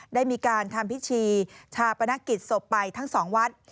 ได้มีการทำพิธีชาปนกิจศพไปทั้ง๒วัด